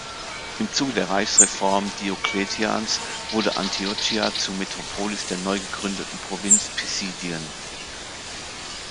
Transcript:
Im Zuge der Reichsreform Diokletians wurde Antiochia zur Metropolis der neu gegründeten Provinz Pisidien.